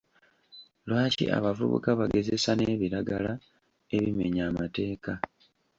Lwaki abavubuka bagezesa nebiragala ebimenya amateeka?